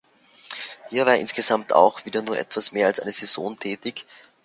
Hier war er insgesamt auch wieder nur etwas mehr als eine Saison tätig.